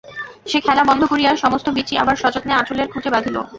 সে খেলা বন্ধ করিয়া সমস্ত বীচি আবার সযত্নে আঁচলের খুটে বাঁধিল।